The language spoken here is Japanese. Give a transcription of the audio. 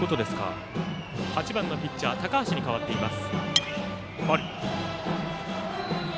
バッターは８番のピッチャー高橋に変わっています。